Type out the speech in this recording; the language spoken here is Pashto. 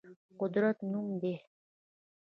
قدرت نوم دی.